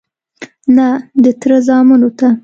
_نه، د تره زامنو ته..